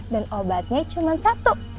dan obatnya cuma satu